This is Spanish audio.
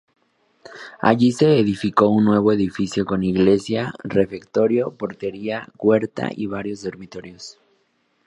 Allí se edificó un nuevo edificio con iglesia, refectorio, portería, huerta y varios dormitorios.